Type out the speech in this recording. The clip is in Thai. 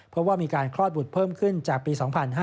เพราะว่ามีการคลอดบุตรเพิ่มขึ้นจากปี๒๕๕๙